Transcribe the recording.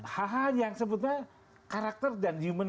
hal hal yang sebetulnya karakter dan human